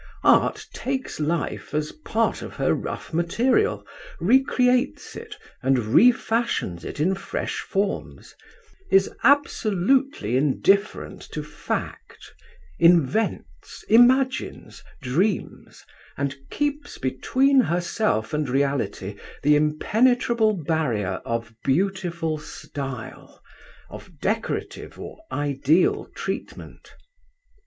Art takes life as part of her rough material, recreates it, and refashions it in fresh forms, is absolutely indifferent to fact, invents, imagines, dreams, and keeps between herself and reality the impenetrable barrier of beautiful style, of decorative or ideal treatment.